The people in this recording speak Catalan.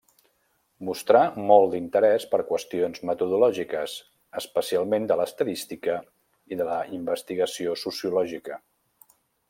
Mostrà molt d'interés per qüestions metodològiques, especialment de l'estadística i de la investigació sociològica.